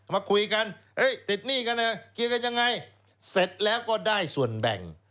มาคุยกันเฮ้ยติดหนี้กันนะเคลียร์กันยังไงเสร็จแล้วก็ได้ส่วนแบ่ง